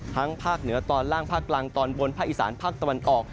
ภาคเหนือตอนล่างภาคกลางตอนบนภาคอีสานภาคตะวันออก